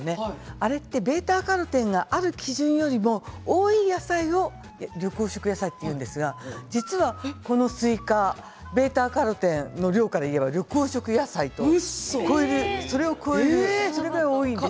あれは、β−カロテンがある基準よりも多い野菜を緑黄色野菜というんですが実は、このスイカβ−カロテンの量からいえば緑黄色野菜それを超えるぐらい多いんですよ。